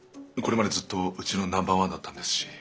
これまでずっとうちのナンバーワンだったんですし。